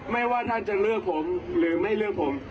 ว่าท่านจะเลือกผมหรือไม่เลือกผม